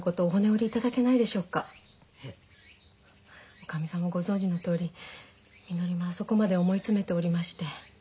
おかみさんもご存じのとおりみのりもあそこまで思い詰めておりまして。